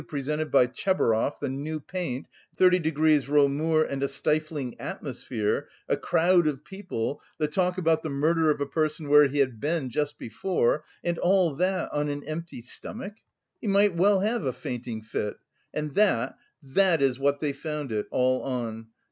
U. presented by Tchebarov, the new paint, thirty degrees Reaumur and a stifling atmosphere, a crowd of people, the talk about the murder of a person where he had been just before, and all that on an empty stomach he might well have a fainting fit! And that, that is what they found it all on!